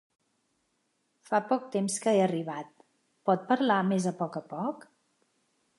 Fa poc temps que he arribat, pot parlar més a poc a poc?